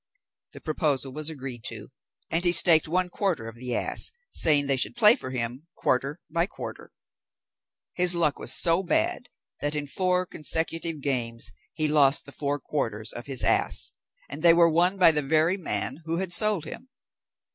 The proposal was agreed to, and he staked one quarter of the ass, saying they should play for him, quarter by quarter. His luck was so bad, that in four consecutive games he lost the four quarters of his ass, and they were won by the very man who had sold him.